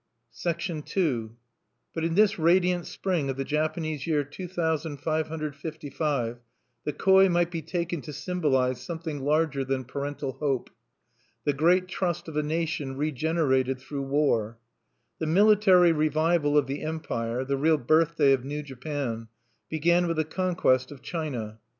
II But in this radiant spring of the Japanese year 2555, the koi might be taken to symbolize something larger than parental hope, the great trust of a nation regenerated through war. The military revival of the Empire the real birthday of New Japan began with the conquest of China.